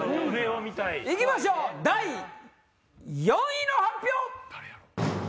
行きましょう第４位の発表！